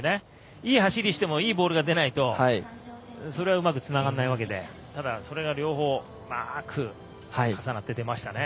いい走りしてもいいボールが出ないと、それはうまくつながらないわけでそれが両方うまく重なって出ましたね。